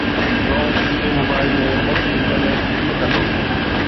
زونگ چيني موبائيل ۾ مفت انٽرنيٽ ڪيئن ڪندو